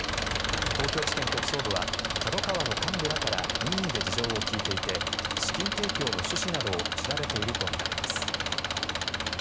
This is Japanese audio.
東京地検特捜部はＫＡＤＯＫＡＷＡの幹部らから任意で事情を聴いていて資金提供の趣旨などを調べているとみられます。